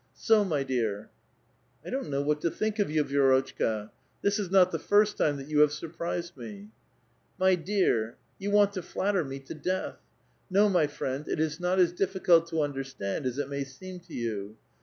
So, my dear !"'* I don't know what to think of vou, Vi^rotchka. This is not the first time that you have surprised me." *' My dear [_miletiki ?>ioY], you want to flatter mo to death. No, my friend, it is not as dillicult to understand as it may seem to you.